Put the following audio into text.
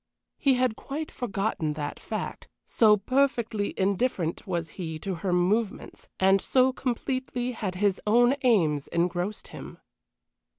He had quite forgotten that fact, so perfectly indifferent was he to her movements, and so completely had his own aims engrossed him.